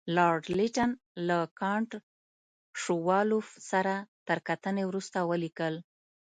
لارډ لیټن له کنټ شووالوف سره تر کتنې وروسته ولیکل.